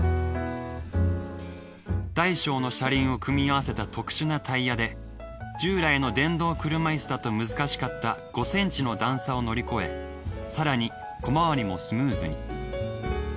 大小の車輪を組み合わせた特殊なタイヤで従来の電動車イスだと難しかった５センチの段差を乗り越え更に小回りもスムーズに。